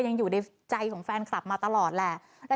ยังอยู่ในใจของแฟนคลับมาตลอดแหละ